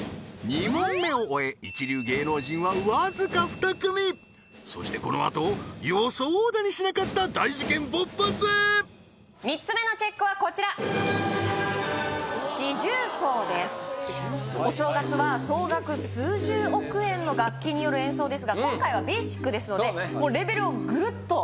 ２問目を終え一流芸能人はわずか２組そしてこのあと予想だにしなかった大事件勃発３つ目のＣＨＥＣＫはこちら四重奏ですお正月は総額数十億円の楽器による演奏ですが今回はＢＡＳＩＣですのでそうそらそうです